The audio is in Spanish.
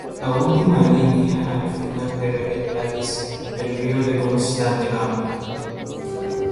La última línea al final de la letra dicen "el río de constante cambio".